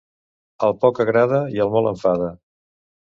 El poc agrada i el molt enfada.